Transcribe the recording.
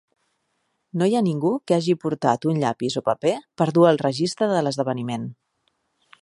No hi ha ningú que hagi portat un llapis o paper per dur el registre de l'esdeveniment.